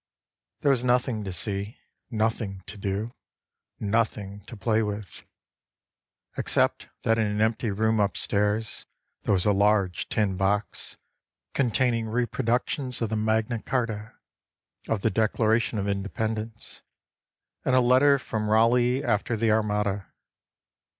There was nothing to see, Nothing to do, Nothing to play with, Except that in an empty room upstairs There was a large tin box Containing reproductions of the Magna Charta, Of the Declaration of Independence And of a letter from Raleigh after the Armada.